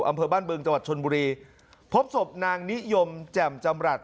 อำเภอบ้านบึงจังหวัดชนบุรีพบศพนางนิยมแจ่มจำรัฐ